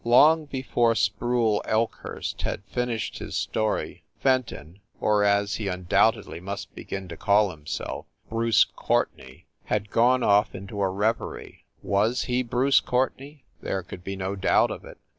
Long before Sproule Elkhurst had finished his story, Fenton, or, as he undoubtedly must begin to call himself, Bruce Courtenay, had gone off into a reverie. Was he Bruce Courtenay? There could be no doubt of it.